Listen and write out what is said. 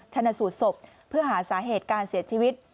ชนะสูตรศพเพื่อหาสาเหตุการเสียชีวิต